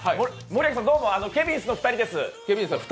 森脇さん、どうも、ケビンスの２人です。